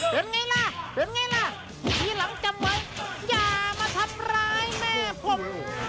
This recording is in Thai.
เป็นไงล่ะเป็นไงล่ะทีหลังจำไว้อย่ามาทำร้ายแม่ผม